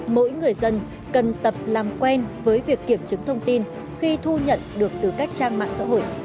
mỗi người dân cần tập làm quen với việc kiểm chứng thông tin khi thu nhận được từ các trang mạng xã hội